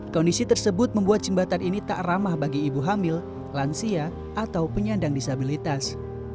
kondisi tersebut membuat jembatan ini tak ramah bagi ibu hamil lansia atau penyandang disabilitas